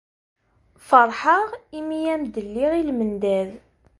Feṛḥeɣ imi ay am-d-lliɣ i lmendad.